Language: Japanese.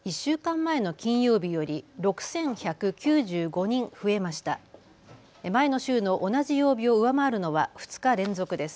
前の週の同じ曜日を上回るのは２日連続です。